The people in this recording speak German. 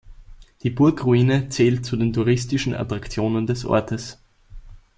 Die Burgruine zählt zu den touristischen Attraktionen des Ortes.